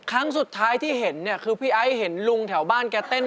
ครั้งสุดท้ายที่เห็นเนี่ยคือพี่ไอ้เห็นลุงแถวบ้านแกเต้น